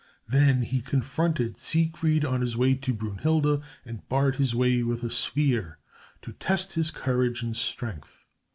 Then he confronted Siegfried on his way to Brünnhilde and barred his way with a spear to test his courage and strength.